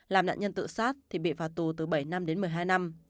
làm nạn nhân tự sát thì bị phạt tù từ bảy năm đến một mươi hai năm